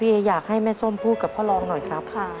เออยากให้แม่ส้มพูดกับพ่อรองหน่อยครับ